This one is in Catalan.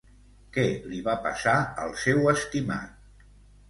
Què li va passar al seu estimat?